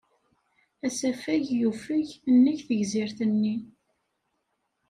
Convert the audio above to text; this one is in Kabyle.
Asafag yufeg nnig tegzirt-nni.